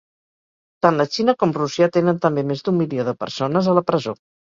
Tant la Xina com Rússia tenen també més d'un milió de persones a la presó.